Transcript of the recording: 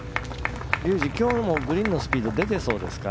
今日もグリーンのスピード出てそうですか。